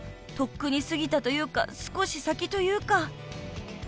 ［とっくに過ぎたというか少し先というか］